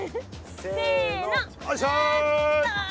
せの。